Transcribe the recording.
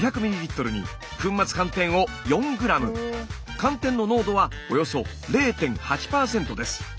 寒天の濃度はおよそ０．８％です。